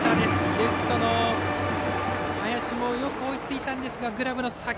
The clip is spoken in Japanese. レフトの林もよく追いついたんですがグラブの先。